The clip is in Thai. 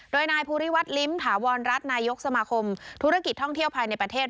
โดยนายภูริวัฒน์ลิ้มถาวรรัฐนายกสมาคมธุรกิจท่องเที่ยวภายในประเทศ